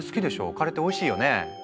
カレーっておいしいよね。